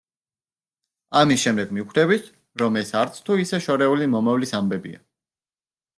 ამის შემდეგ მიხვდებით, რომ ეს არცთუ ისე შორეული მომავლის ამბებია.